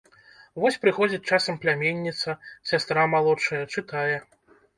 Вось прыходзіць часам пляменніца, сястра малодшая, чытае.